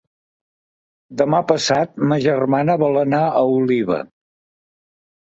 Demà passat ma germana vol anar a Oliva.